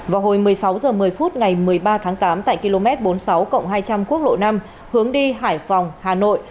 vào hồi một mươi sáu h một mươi phút ngày một mươi ba tháng tám tại km bốn mươi sáu hai trăm linh quốc lộ năm hướng đi hải phòng hà nội